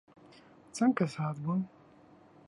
چەند کەس هاتبوون؟